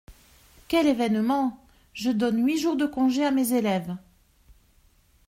Quel événement ! je donne huit jours de congé à mes élèves !…